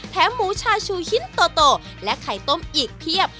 หมูชาชูชิ้นโตและไข่ต้มอีกเพียบ